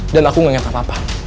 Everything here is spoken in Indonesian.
dan aku gak inget sama papa